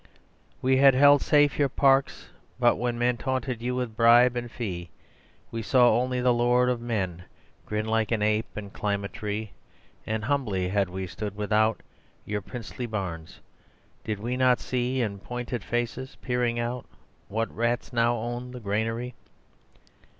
We had held safe your parks; but when Men taunted you with bribe and fee, We only saw the Lord of Men Grin like an Ape and climb a tree; And humbly had we stood without Your princely barns; did we not see In pointed faces peering out What Rats now own the granary.